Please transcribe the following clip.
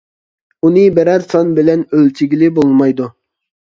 ئۇنى بىرەر سان بىلەن ئۆلچىگىلى بولمايدۇ.